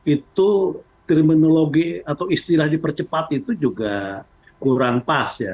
itu kriminologi atau istilah dipercepat itu juga kurang pas ya